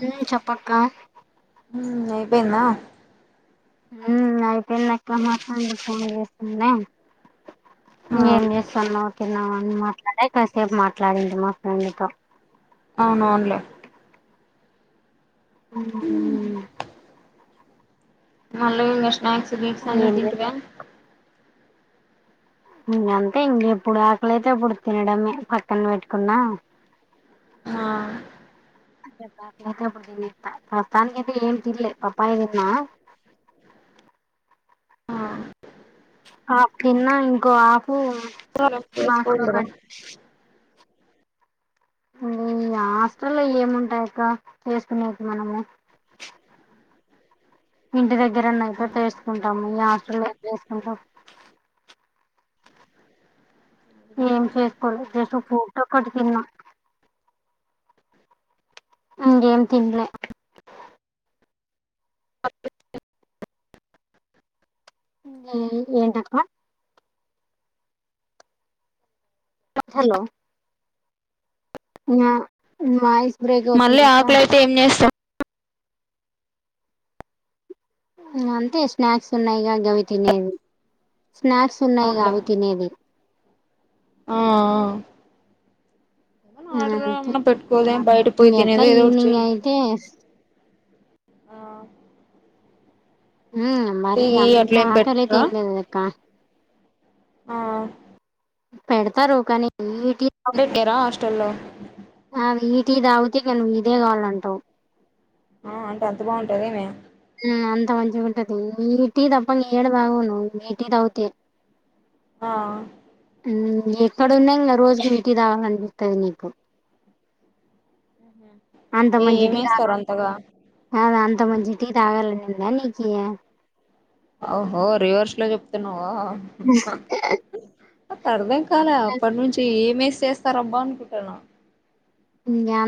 హ్మ్ చెప్పు అక్క. హ్మ్ అయిపోయిందా. హ్మ్ అయిపోయింది అక్కా మాట్లాడనీకి ఫోన్ చేస్తున్నా ఆ ఏం చేస్తున్నావు తిన్నావు అని మాట్లాడే కాసేపు మాట్లాడింది మా ఫ్రెండ్ తో. అవును అవునులే. హ్మ్ మళ్ళీ ఇంకా స్నాక్స్ గిక్స్ అన్నీ ఏం లే తింటివ ఇంగ అంతే ఇంగ ఎప్పుడు ఆకలి అయితే అప్పుడు తినడమే పక్కన పెట్టుకున్నా. ఆ. ఎప్పుడు ఆకలి అయితే అప్పుడు తినేస్తా ప్రస్తుతానికి అయితే ఏమీ తిన్నలే పాపాయ తిన్నా. ఆ. ఆఫ్ తిన్నా ఇంకో ఆఫ్ బాక్స్ లో చేసుకోండిరా కట్ ఈ హాస్టల్లో ఏముంటాయి అక్క చేసుకునేకి మనము. ఇంటి దగ్గరన్న అయితే చేసుకుంటాము ఈ హాస్టల్లో ఎట్ట చేసుకుంటాం. ఏం చేసుకోలేదు జస్ట్ ఒక ఫ్రూట్ ఒకటి తిన్నా. ఇంకేమి తినలే. ఆ. హ్మ్ ఏంటి అక్క. హలో. ఇంగ నీ వాయిస్ బ్రేక్ మళ్ళీ అవుతుంది అక్క. ఆకలైతే ఏం చేస్తాం. అంతే స్నాక్స్ ఉన్నాయి గా గవి తినేవి స్నాక్స్ ఉన్నాయి అవునులే అవి తినేవి. ఆ ఆ ఏమన్నా ఆర్డర్ ఊహూ ఏమన్నా పెట్టుకోదే బయట పోయి ఎట్లా తినేదో ఏదో ఒకటి ఈవినింగ్ చెయ్యి అయితే. ఆ. హుమ్ టీ మరి గీ అంత అట్లేం ఆకలయితే పెట్టరా లేదు లెక్కా ఆ పెడతారు కానీ ఇవ్వుటి దుకార హాస్టల్లో ఆ నువ్ ఈ టీ తాగితే ఇదే కావాలంటావు ఆ అంటద్దుగా ఉంటాదే మేం హుమ్ అంత మంచిగా ఉంటది మీరు టి తప్పా ఏడ తాగను ఈ టి తాగుతె ఆ హుమ్ ఎక్కడున్నంగ రోజుకి టీ తాగలనిపిస్తది నీకు ఏ ఏమేస్తారు అంతగా నాది అంత మంచి టి తాగలనుంద నీకి ఓహో రివర్స్ లో చెప్తున్నావా నాక్ అర్ధం కాలే అప్పటినుంచి ఏమేస్ చేస్తారబ్బా అనుకుంటాన్న ఇంకా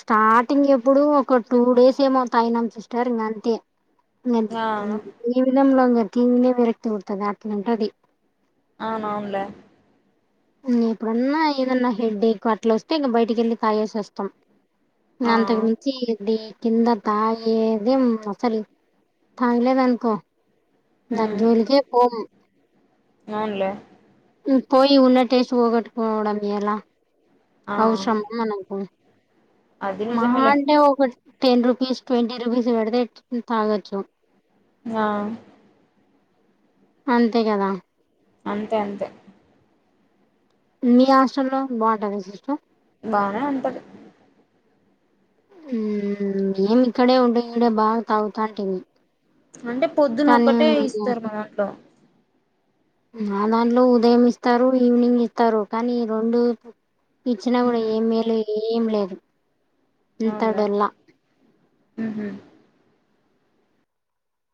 స్టార్టింగ్ ఎప్పుడో ఒక టూ డేస్ ఏమో టైమ్ అన్ సిస్టర్ ఇక అంతే అ ఇంగ హు [unintelligible] క్యూలో పెట్టింటరే అట్ల ఉంటది అవునవున్ లే ఎప్పుడన్నా ఏదన్నా హెడ్ ఎక్ అట్లా వస్తే ఇంకా బయటికెళ్ళి తాగేసొస్తం ఇంగ ఆ అంతకు ముంచిది ది తిండం ఆ ఎందో అసలు తాగలేదనుకో దాన్ ఉమ్ జోల్కే పోము అవునులే పోయి ఉన్న టేస్ట్ పొగోట్టుకోవడం ఎలా ఆ అవసరమా మనకు అది మహా నిజమేలే అంటే ఒకటి టెన్ రుపీస్ ట్వంటీ రూపీస్ పెడితే తాగొచ్చు ఆ అంతే కదా అంతే అంతే మీ హాస్టలో బానే ఉంటుందా బానే ఉంటది హుమ్ మేము ఇక్కడే ఉంటే ఈడ బాగా తాగుతాంటిమి అంటే పొద్దున్న కానీ ఒక్కటే ఇస్తారు మా దాంట్లో మా దాంట్లో ఉదయం ఇస్తారు ఈవినింగ్ ఇస్తారు కానీ రొండు ఇచ్చినా కూడా ఉమ్ ఏం మేలు ఏం లేదు అంతా అవున్లే డొల్ల హుమ్ హూ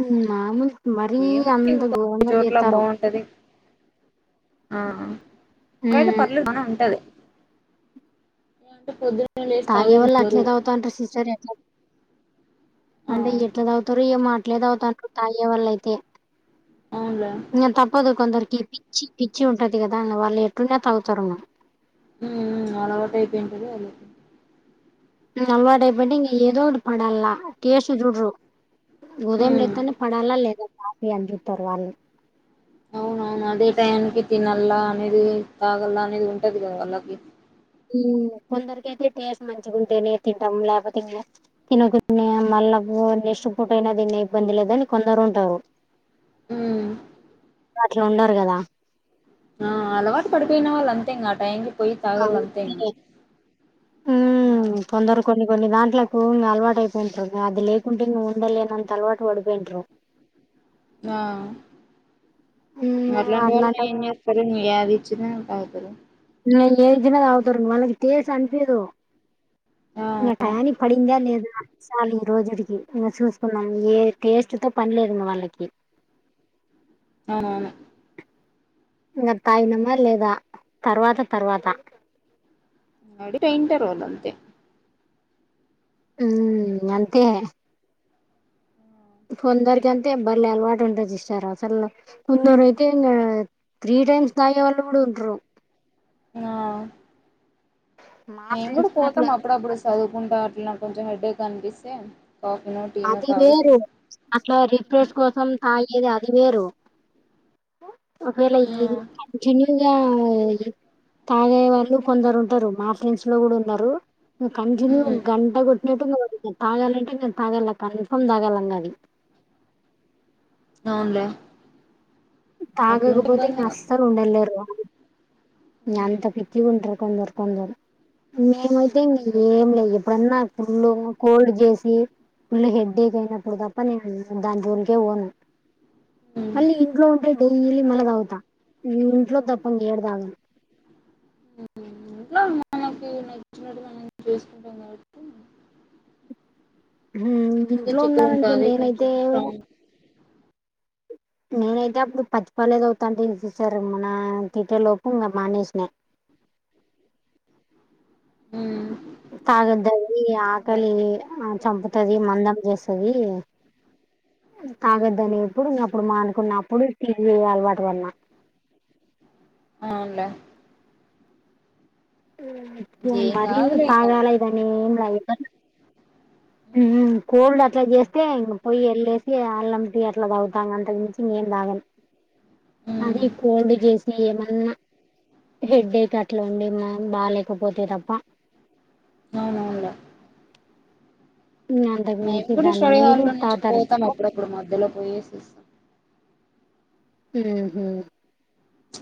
హుమ్ మాముల్ మరీ ఏమో ఇగ అంత కొన్ని ఘోరంగా చేతారు హుమ్ అయిన మ్మ్ పర్లేదు బానే ఉంటది అంటే పొద్దున తాగే వాల్లు అట్లే తగుతంటార్ సిస్టర్ ఎట్లా ఆ అంటే ఎట్ల తాగుతారో ఏమో తాగేవాలయితే అవునులే ఇంక తప్పదు కొందరికి పిచ్చి పిచ్చి ఉంటది కదా వాళ్ళు ఎట్లున్న తాగుతారు హుమ్ అలవాటైపోయింటుంది అది ఇంగ అలవాటై పొయింటే ఎదో ఒకటి పడల టేస్ట్ చూడరు ఉదయం ఉమ్ లేత్తనే పడాలా లేదా కాఫీ అందితారు వాళ్ళు అవునవును అదే టైం కి తినల్లా అనేది తాగలా అనేది ఉంటది కదా వాళ్ళకి హుమ్ కొందరికయితే టేస్ట్ మంచిగుంటేనే తింటం లేకపోతే లేదు తినేకుండా మళ్ళా బువ్వ నెక్స్ట్ పూట అయిన తిన్న ఇబ్బందిలేదని కొందరంటారు మ్మ్ అట్లుండరు గదా ఆ అలవాటు పడిపోయిన వాళ్ళు అంతే ఇంగ ఆ టైంకి పోయి తాగల్ల కావు అంతే ఇంగ తినే మ్మ్ కొందరు కొన్ని కొన్ని దాండ్లకు ఇంగ అలవాటు అయిపోయింటారు అది లేకుంటే ఇంగ ఉండలేనంత అలవాటు టు పడిపోయింటరు ఆ అట్లాంటి వాళ్ళు ఏం చేస్ త్తరు యాదిచ్చిన పలకరు నీ ఏజినదాగతరు వాళ్ళకి కేేస్ అనిపియదు ఆ ఇంగ టయానికి పడిందా లేదా చాలు ఈ రోజుడికి ఇంగ చూసుకున్నాం ఏ టేస్ట్ తో పనిలేదు ఇంగ వాళ్ళకి అవునవును ఇంగా తాగినామా లేదా తర్వాత తర్వాత అడిట్ అయింటరు వాల్లు అంతే మ్మ్ అంతే కొందరికంతే బలే అలవాటు ఉంటాది సిస్టర్ అసలు కొందరు అయితే ఇంగ త్రీ టైమ్స్ తాగే వాళ్ళు కూడా ఉంటరు ఆ మా మేంకూడా ఫ్రెండ్స్ లో అట్లా పోతామ్ అప్పుడప్పుడు స్ చదువుకుంటా అట్లనే కొంచెం హెడ్ ఏక్ అనిపిస్తే కాఫినట్ అది వేరు అట్లా రిఫ్రెష్ కోసం తాగేది అది వేరు ఆ ఒకరెళ్ళీ జన్యూన్ గ తాగే వాళ్ళు కొందరు ఉంటారు మా ఫ్రెండ్స్ లో కూడా ఉన్నారు ఇగ కంటిన్యూ ఉమ్ గంట కొట్టినట్టు [inaudible] తాగాలంటే నేను తాగల్ల కన్ఫామ్ తాగల్లన్నది అవున్లే తాగకపోతే ఇంగ అస్సలు ఉండలేరు ఉమ్ అంత పిచ్చిగా ఉంటారు కొందరు కొందరు మేమైతే ఏం అవునులే రూమ్లో ఎప్పుడన్నా ఫుల్ కోడ్ చేసి ఫుల్ హెడ్డేక్ అయినప్పుడు తప్ప నేను దాని జోలికే పోను ఉమ్ మళ్ళీ ఇంట్లో ఉంటే డైలీ మళ్ళాదాగుతా ఈ ఇంట్లో తప్ప ఏడతాగను మ్మ్ ఇంట్లో మనకు నచ్చినట్టుగా మనం చేసుకుంటాం కాబట్టి మ్మ్ కొంచెం ఇంట్లో చిక్కగా ఉన్నాననుకో ఉంటాది నేనైతే కొంచెం స్ట్రాంగ్ నేనైతే అప్పుడు పచ్చిపాలే తాగుతాంటి [inaudible] మన తిట్టే లోపు ఇంగ మానేసినా మ్మ్ తాగద్దండి ఆకలిని ఆ చంపుతది మందం చేస్తది హ్మ్ తాగద్దని ఇప్పుడు అప్పుడు మానుకున్నప్పుడు టీ వీయ్యి అలవాటు పడినా అవున్లే మ్మ్ ఏం మరి కాదులే ఇంగ తాగలేదని ఏంలా ఎప్పట్ మ్మ్ కోల్డ్ అట్లా చేస్తే ఇంక పొయి ఎళ్ళేసి అల్లం టీ అట్లా తాగుతా అంత మించి ఇంగేం తాగను హ్మ్ అదే కోల్డ్ చేసి ఏమన్నా హెడ్ ఏక్ అట్లా ఉండినా బాలేకపోతే తప్ప అవునా ఇంగ అంతకు మేము మించి కూడా దాన్ని స్టడీ మీరు హాల్లో నుంచి తాగుతారా పోతాం సిస్టర్ అప్పుడప్పుడు మధ్యలో పోయేసిస్తాం ఉహూ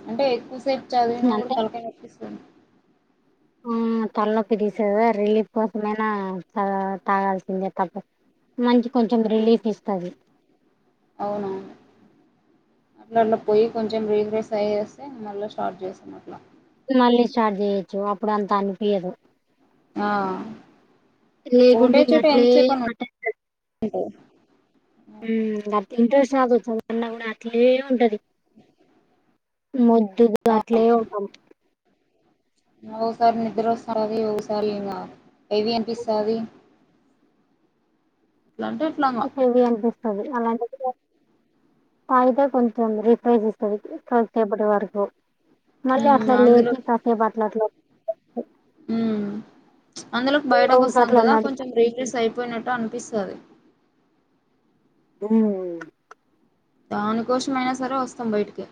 అంటే ఎక్కువసేపు చదివినా కూడా అంటే తలకాయ నొప్పివస్తాది ఆ తలనొప్పి తీసదా రిలీఫ్ కోసమైనా తగా తాగాల్సిందే తప్పదు మంచి కొంచెం రిలీఫ్ ఇస్తది అవునా నన్ను పోయి కొంచెం రీగ్రేస్ అయేస్తే మళ్ళీ స్టార్ట్ చేసాం అట్లా మళ్ళీ స్టార్ట్ చేయొచ్చు అప్పుడు అంత అనిపియ్యదు ఆ లేకుంటే ఉటే ఇంగ చోట అట్లే ఎంతసే కొ [unintelligible] అట్ట ఉంటది ఉ అట్లా ఇంట్రెస్ట్ రాదు చదివినా కూడా అట్లనే ఉంటది మొద్దు [inaudible] గా ఆ అట్లే ఉంటాం ఒకసారి నిద్ర అస్తది ఒకసారి ఇగా హెవీ అనిపిస్తది లండన్ హెవీ అనిపిస్తది అలాంటి [unintelligible] ఫయిదా కొంచెం రిఫ్రైస్ ఇస్తుంది ప్ర కొంచేపటి వరకు మళ్ళీ మ్మ్ అట్లా అందులో లేసి కాసేపు అట్లా అట్లా ఉమ్ అందులోకి బయటకు రౌండ్స్ వస్తాం అట్లా కదా నడిచి కొంచెం రిఫ్రెష్ అయిపోయినట్టు అనిపిస్తది ఉమ్ దానికోసమయినా సరే వస్తాం బయటికి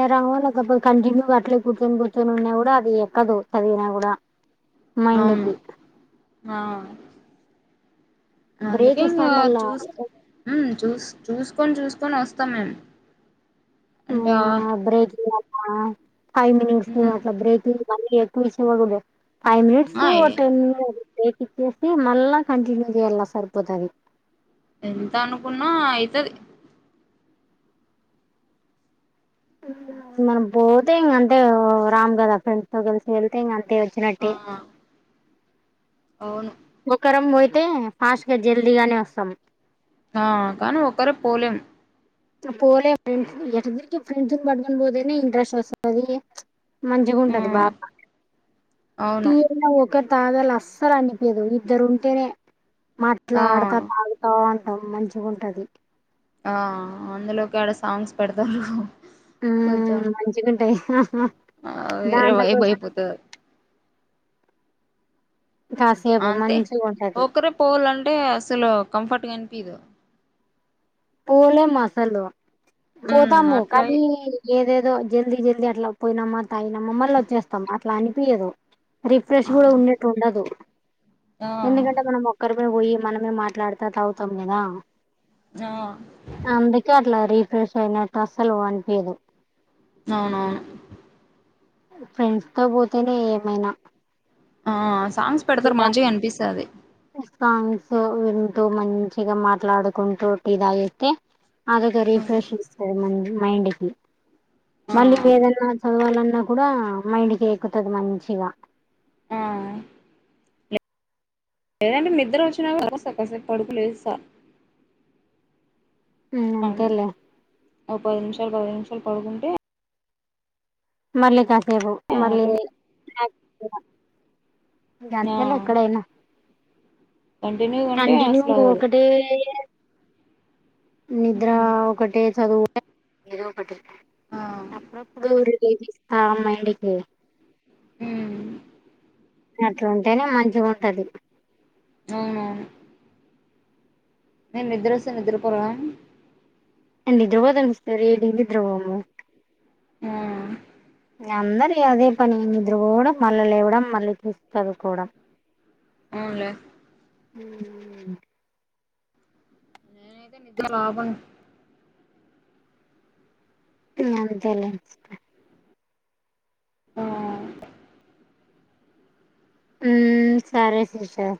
ఇ రంగ లేకపోతే కంటిన్యూ అట్లే కూర్చొని కూర్చొని ఉన్నా కూడా అది ఎక్కదు చదివిన కూడా మైండ్ అవును కి అ బ్రేక్ అందుకే ఇంగా ఇస్తాండల్లా చూస్ ఉమ్ చూ చూసుకొని చూసుకొని అస్తాం మేమ్ ఆ బ్రేకి ఈయాల ఫైవ్ మినిట్స్ మ్మ్ అట్లా బ్రేకింగ్ మళ్ళీ పూష బ ఫైవ్ మినిట్స్ ఆ ఎ టెన్ బ్రేక్ ఇచ్చేసి మళ్ళా కంటిన్యూ చేయ్యలా సరిపోతది ఎంత అనుకున్నా అయితది మనం పోతే ఇంక అంతే రామ్ కదా ఫ్రెండ్తో కలిసి వెళ్తే ఇంక అంతే వచ్చి ఆ చిినట్టే అవును ఒక్కరం పోయితే ఫాస్ట్ గా జల్దీగానే వస్తాం ఆ కానీ ఒక్కరం పోలేం పోలే [inaudible] ఫ్రెండ్స్ ఎటు తిరిగి ఫ్రెండ్స్ని పడుకోనిపోతేనే ఇంట్రెస్ట్ అస్తది మంచిగా ఆ ఉంటది బాగా అవును ఉ ఒకరు తాగాలి అస్సలు అనిపించదు ఇద్దరు ఉంటేనే మాట్లా ఆడతా ఆ తాగు ఆ అంటం మంచిగా ఉంటది ఆ అందులోకి ఆడ సాంగ్స్ పెడతారు కొంచెం మ్మ్ మంచిగుంటాయి ఆ వేరే దాంట్ల కోసం వైభైపోతది కాసేపు మంచిగా ఉంటది పోల్ అంటే అసలు కంఫర్ట్గా అనిపియ్యదు పోలేము అసలు ఉమ్ పోతాము కానీ అట్లాగే ఏదేదో జల్దీ జల్దీ అట్లా పోయినామా తాగినమా మళ్ళీ వచ్చేస్తాం అట్లా అనిపియదు రిఫ్రెష్ కూడా ఉన్నట్టు ఉండదు ఆ ఎందుకంటే మనం ఒ ఒక్కరేమేపోయి మనమే మాట్లాడత తాగుతాం కదా ఆ అందుకే అట్లా రీఫ్రెష్ అయినట్టు అసలు కనిపీయదు అవునవును ఫ్రెండ్స్ తో పోతేనే ఏమైనా ఆ సాంగ్స్ పెడతారు ఇగ మంచిగ అనిపిస్తాది సాంగ్స్ వింటూ మంచిగా మాట్లాడుకుంటూ టీ తాగేస్తే అదొక రీఫ్రెష్ ఇస్తది మన మైండ్ కి ఆ మళ్ళీ ఏదన్నా చదవాలన్నా కూడా మైండ్కి ఎక్కుతుంది మంచిగా ఆ లేదంటే నిద్ర వచ్చినపుడు కాసేపు పడుకుని లేస్తా ఉమ్ అవును అంతేలే ఓ పది నిమిషాలు పది నిమిషాలు పడుకుంటే మళ్ళీ కాసేపు మళ్ళీ [inaudible] ఆటోమేటిక్ ఇంక ఆ అంతేలే ఎక్కడైనా కంటిన్యూగా ఉంటే కంటిన్యూ అసలు అవ్వదు ఒకటే నిద్ర ఉమ్ ఒకటే చదువు ఒకటి ఆ అప్పుడప్పుడు రిలీఫ్ ఇస్తా మైండ్ కి ఉమ్ అట్ల ఉంటేనే మంచిగా ఉంటది అవునవును మీరు నిద్ర వస్తే నిద్రపోరా నిద్ర పోతానికి వస్తది కానీ నిద్ర పోము హ్మ్ అందరు అదే పని నిద్రపోవడం మళ్ళ లేవడం మళ్ళీ చూసి చదువుకోవడం అవునులే నేనైతే నిద్ర ఆపను అంతేలే ఆ హ్మ్ సరే సిస్టర్